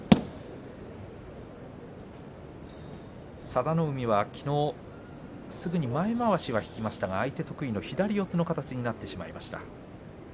佐田の海はきのうすぐに前まわしは引きましたが相手得意の左四つの形になってしまいました。